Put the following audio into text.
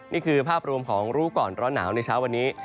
นี่คือภาพรวมของรู้ก่อนร้อนหนาวในเช้าวันนี้